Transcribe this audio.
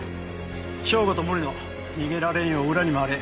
省吾と森野逃げられんよう裏に回れ。